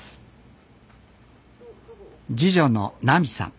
次女の菜実さん。